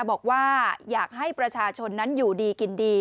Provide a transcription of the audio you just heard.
บอกว่าอยากให้ประชาชนนั้นอยู่ดีกินดี